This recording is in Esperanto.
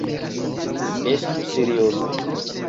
Estu serioza!